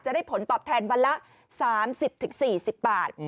ได้ผลตอบแทนวันละ๓๐๔๐บาท